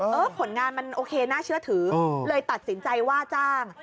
ผลงานมันโอเคน่าเชื่อถือเลยตัดสินใจว่าจ้าง